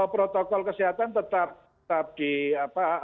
protokol kesehatan tetap